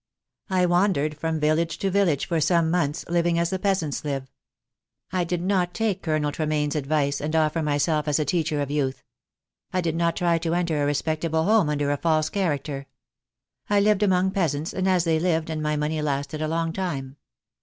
"I wandered from village to village for some months, living as the peasants live. I did not take Colonel Tre mayne's advice, and offer myself as a teacher of youth. I did not try to enter a respectable home under a false character. I lived among peasants and as they lived, and my money lasted a long time.